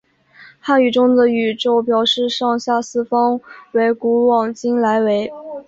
汉语中的宇宙表示上下四方为古往今来为。